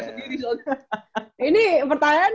sendiri soalnya ini pertanyaan